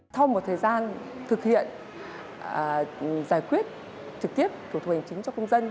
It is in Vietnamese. sau một thời gian thực hiện giải quyết trực tiếp thủ tục hành chính cho công dân